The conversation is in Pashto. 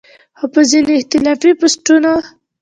خو پۀ ځينې اختلافي پوسټونو